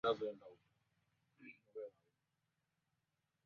Kwa kufanya kazi na kampuni ya Hole and Cooke kama mlinzi